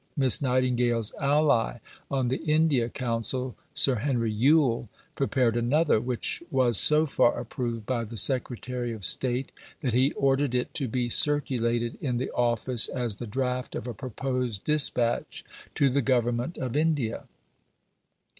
Miss Nightingale's ally on the India Council, Sir Henry Yule, prepared another, which was so far approved by the Secretary of State that he ordered it to be circulated in the Office as the draft of a proposed dispatch to the Government of India.